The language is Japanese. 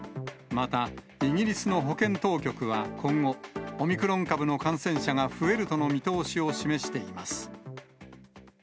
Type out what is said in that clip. また、イギリスの保健当局は今後、オミクロン株の感染者が増えるとの見通しを示しています。